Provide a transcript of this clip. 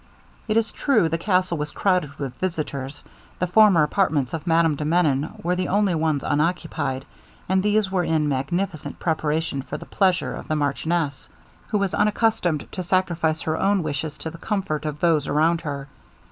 It is true the castle was crowded with visitors; the former apartments of Madame de Menon were the only ones unoccupied, and these were in magnificent preparation for the pleasure of the marchioness, who was unaccustomed to sacrifice her own wishes to the comfort of those around her.